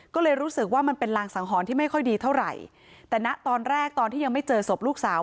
ก็เลยรู้สึกว่ามันเป็นรางสังหรณ์ที่ไม่ค่อยดีเท่าไหร่แต่นะตอนแรกตอนที่ยังไม่เจอศพลูกสาว